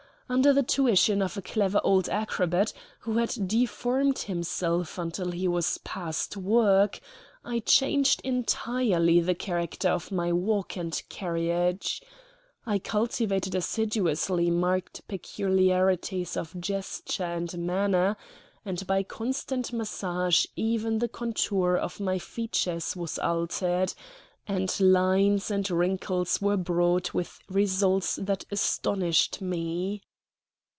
Under the tuition of a clever old acrobat, who had deformed himself until he was past work, I changed entirely the character of my walk and carriage. I cultivated assiduously marked peculiarities of gesture and manner; and by constant massage even the contour of my features was altered, and lines and wrinkles were brought with results that astonished me.